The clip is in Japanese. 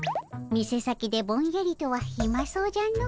店先でぼんやりとはひまそうじゃの。